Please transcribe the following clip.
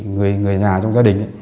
người nhà trong gia đình